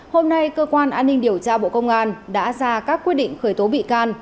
hôm nay cơ quan an ninh điều tra bộ công an đã ra các quyết định khởi tố bị can